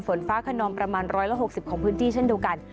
ฝนฟ้าขนองประมาณ๑๖๐ของพื้นที่เช่นเดียวกัน